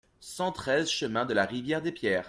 cent treize chemin de la Rivière des Pierres